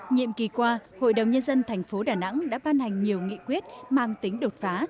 nhiệm kỳ qua hội đồng nhân dân thành phố đà nẵng đã ban hành nhiều nghị quyết mang tính đột phá